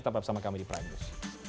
tetap bersama kami di prime news